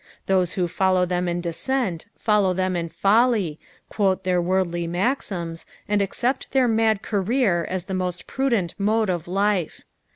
Those who follow them in descent follow tbem in folly, quote their worldly maxims, and accept their mad career as the most prudent mode of life.